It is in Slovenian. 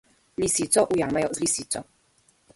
Lisico ujamejo z lisico.